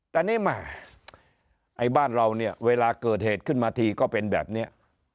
แต่นี่แม่ไอ้บ้านเราเนี่ยเวลาเกิดเหตุขึ้นมาทีก็เป็นแบบนี้